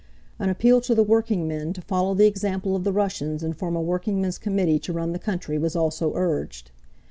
An appeal to the workingmen to follow the example of the Russians and form a workingmen's committee to run the country was also urged.